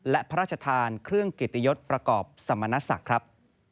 และพระราชทานเครื่องเกียรติยศประกอบสมณศักดิ์ครับ